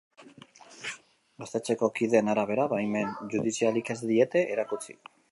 Gaztetxeko kideen arabera, baimen judizialik ez diete erakutsi.